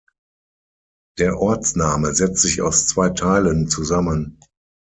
Der Ortsname setzt sich aus zwei Teilen zusammen.